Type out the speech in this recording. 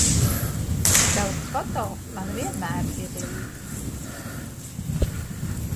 Tavs foto man vienmēr ir līdz